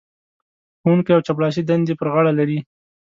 ښوونکی او چپړاسي دندې پر غاړه لري.